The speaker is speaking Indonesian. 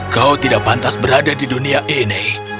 kau tidak pantas berada di dunia ini